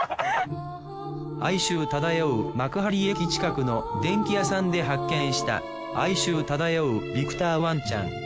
哀愁漂う幕張駅近くの電器屋さんで発見した哀愁漂うビクターワンちゃん。